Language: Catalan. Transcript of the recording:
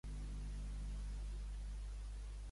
Amb què obsequia el bandoler Basin?